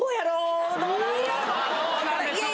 どうなるでしょうか？